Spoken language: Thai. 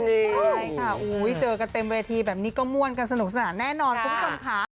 ใช่ค่ะเจอกันเต็มเวทีแบบนี้ก็ม่วนกันสนุกสนานแน่นอนคุณผู้ชมค่ะ